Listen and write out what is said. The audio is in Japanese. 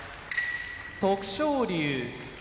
徳勝龍